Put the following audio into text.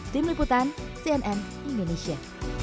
tim liputan cnn indonesia